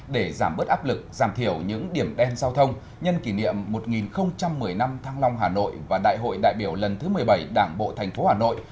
để giảm bớt áp lực giảm thiểu những điểm đen giao thông nhân kỷ niệm một nghìn một mươi năm thăng long hà nội và đại hội đại biểu lần thứ một mươi bảy đảng bộ thành phố hà nội